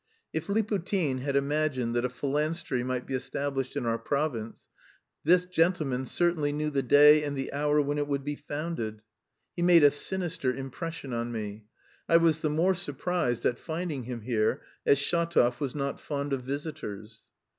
If Liputin had imagined that a phalanstery might be established in our province, this gentleman certainly knew the day and the hour when it would be founded. He made a sinister impression on me. I was the more surprised at finding him here, as Shatov was not fond of visitors.